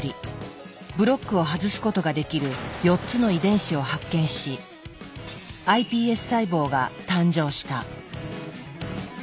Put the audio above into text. ブロックを外すことができる４つの遺伝子を発見しｉＰＳ細胞が誕生した。